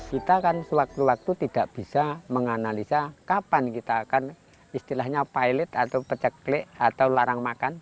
kita kan sewaktu waktu tidak bisa menganalisa kapan kita akan istilahnya pilot atau peceklik atau larang makan